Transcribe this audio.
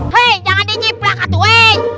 hei jangan di nyiplak katwe